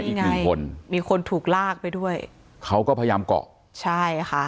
อีกหนึ่งคนมีคนถูกลากไปด้วยเขาก็พยายามเกาะใช่ค่ะ